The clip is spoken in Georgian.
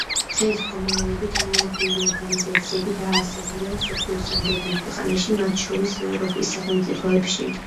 დღეის მდგომარეობით ანალოგიური ორგანიზაციები დაარსებულია მსოფლიოს რამდენიმე ქვეყანაში, მათ შორის ევროპის სახელმწიფოებში.